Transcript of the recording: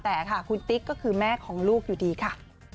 แต่ค่ะคุณติ๊กก็คือแม่ของลูกอยู่ดีค่ะ